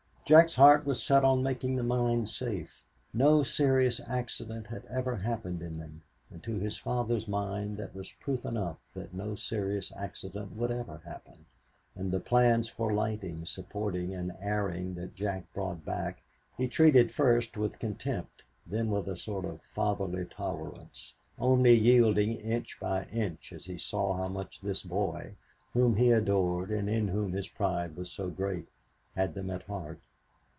Jack's heart was set on making the mines safe. No serious accident had ever happened in them and to his father's mind that was proof enough that no serious accident would ever happen, and the plans for lighting, supporting and airing that Jack brought back he treated first with contempt, then with a sort of fatherly tolerance, only yielding inch by inch as he saw how much this boy, whom he adored and in whom his pride was so great, had them at heart.